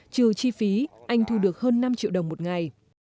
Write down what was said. trừ chi phí anh thu được hơn năm triệu đồng một ngày